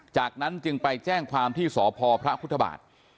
จากนั้นจึงไปแจ้งความที่สพพระพุทธบาท